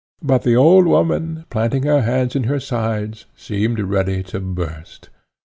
But the old woman, planting her hands in her sides, seemed ready to burst.